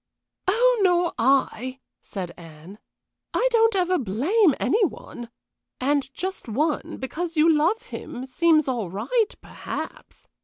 "Oh, nor I!" said Anne. "I don't ever blame any one. And just one, because you love him, seems all right, perhaps.